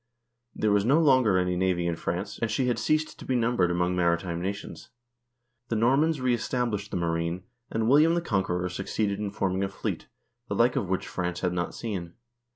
There was no longer any navy in France, and she had ceased to be numbered among maritime nations. The Normans reestablished the marine, and William the Conqueror succeeded in forming a fleet, the like of which France had not seen.